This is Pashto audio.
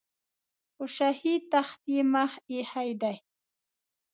په شاهي تخت یې مخ ایښی دی.